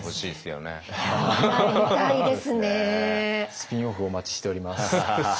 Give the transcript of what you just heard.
スピンオフお待ちしております。